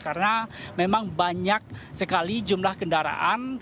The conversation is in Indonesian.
karena memang banyak sekali jumlah kendaraan